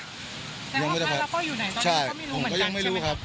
แล้วก็อยู่ไหนตอนนี้ก็ไม่รู้เหมือนกันใช่ไหมครับ